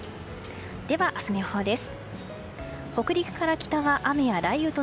では、明日の予報です。